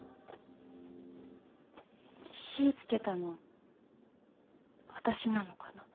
火つけたの私なのかな？